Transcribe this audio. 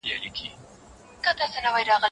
د بریا لاره یوازي مستحقو ته نه سي ښودل کېدلای.